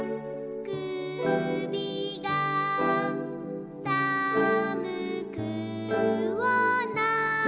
くびがさむくはないですか」